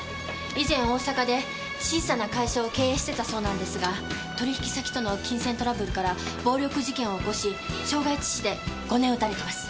以前大阪で小さな会社を経営してたそうなんですが取引先との金銭トラブルから暴力事件を起こし傷害致死で５年打たれてます。